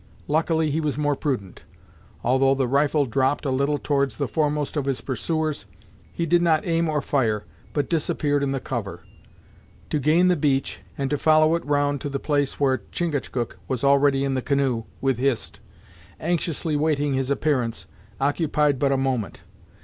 Luckily he was more prudent. Although the rifle dropped a little towards the foremost of his pursuers, he did not aim or fire, but disappeared in the cover. To gain the beach, and to follow it round to the place where Chingachgook was already in the canoe, with Hist, anxiously waiting his appearance, occupied but a moment.